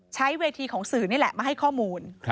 ใช้เวทีของสื่อนี่แหละมาให้ข้อมูล